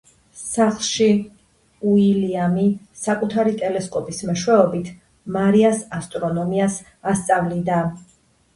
სახლში, უილიამი საკუთარი ტელესკოპის მეშვეობით, მარიას ასტრონომიას ასწავლიდა.